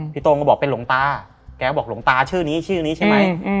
พี่โต้งก็บอกเป็นหลงตาแกก็บอกหลงตาชื่อนี้ใช่ไหม